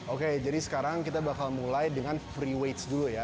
oke jadi sekarang kita bakal mulai dengan freeweights dulu ya